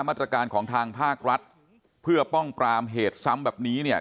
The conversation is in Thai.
มาตรการของทางภาครัฐเพื่อป้องปรามเหตุซ้ำแบบนี้เนี่ย